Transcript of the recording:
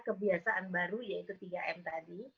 kebiasaan baru yaitu tiga m tadi